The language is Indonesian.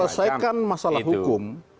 selesaikan masalah hukum